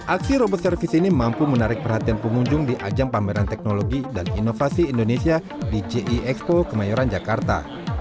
aksi robot service ini mampu menarik perhatian pengunjung di ajang pameran teknologi dan inovasi indonesia di jie expo kemayoran jakarta